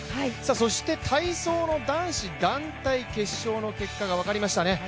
そして体操の男子団体決勝の結果が分かりましたね。